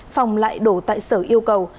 phòng lại đổ tại sở yêu cầu